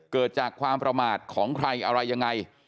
เกิดจากความประมาทของใครอะไรยังไง